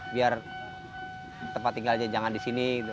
biar tempat tinggalnya jangan di sini